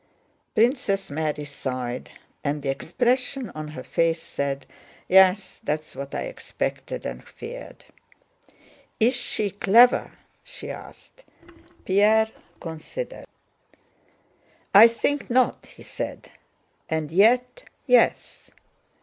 Princess Mary sighed, and the expression on her face said: "Yes, that's what I expected and feared." "Is she clever?" she asked. Pierre considered. "I think not," he said, "and yet—yes.